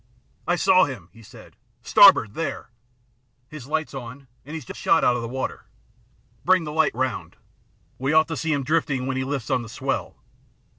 " I saw him," he said. " Starboard there ! His light's on, and he's just shot out of the water. Bring the light round. We ought to see him drifting, when he lifts on the swell."